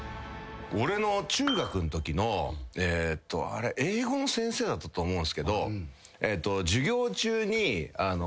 俺の中学のときの英語の先生だったと思うんすけど。